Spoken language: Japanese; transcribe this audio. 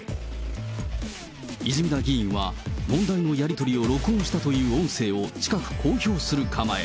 泉田議員は、問題のやり取りを録音したという音声を近く、公表する構え。